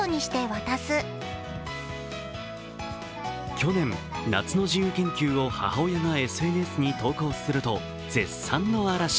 去年、夏の自由研究を母親がＳＮＳに投稿すると絶賛の嵐。